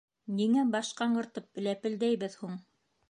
— Ниңә баш ҡаңғыртып ләпелдәйбеҙ һуң?